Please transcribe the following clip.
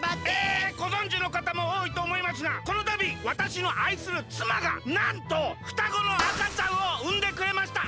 えごぞんじのかたもおおいとおもいますがこのたびわたしのあいするつまがなんとふたごのあかちゃんをうんでくれました！